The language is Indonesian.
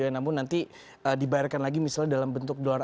namun nanti dibayarkan lagi misalnya dalam bentuk dolar